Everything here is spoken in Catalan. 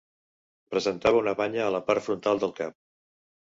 Presentava una banya a la part frontal del cap.